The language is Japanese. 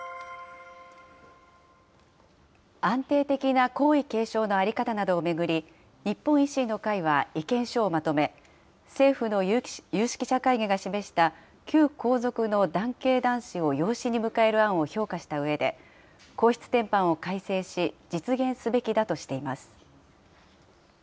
安定的な皇位継承の在り方などを巡り、日本維新の会は意見書をまとめ、政府の有識者会議が示した、旧皇族の男系男子を養子に迎える案を評価したうえで、皇室典範を改正し、実現すべきだとしています。